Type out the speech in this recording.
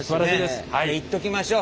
いっときましょう！